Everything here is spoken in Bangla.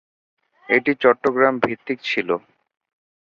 এটি চট্টগ্রাম ভিত্তিক ছিল।